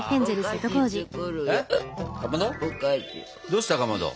どうしたかまど？